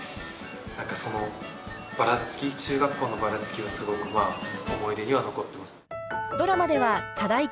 何かそのバラつき中学校のバラつきをすごくまぁ思い出には残ってます。